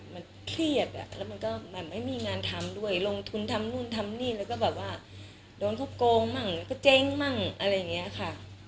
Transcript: มันเครียดแล้วมันก็แบบไม่มีงานทำด้วยลงทุนทำนู่นทำนี่แล้วก็แบบว่าโดนเขาโกงมั่งแล้วก็เจ๊งมั่งอะไรอย่างนี้ค่ะ